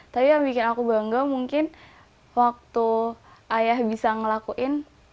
tapi yang bikin aku bangga mungkin waktu ayah bisa ngelakuin